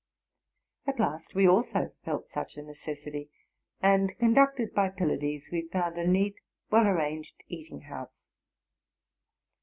At last we also felt such a ne cessity ; and, conducted by Pylades, we found a neat, well: crranged eating house.